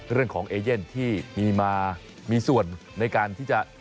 เรื่องของเอเย่นที่มีมามีส่วนในการที่จะ